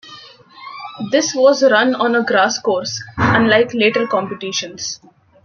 This was run on a grass course, unlike later competitions.